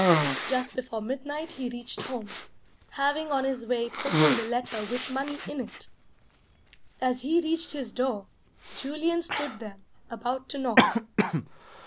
Just before midnight he reached home, having on his way posted a letter with money in it. As he reached his door, Julian stood there, about to knock.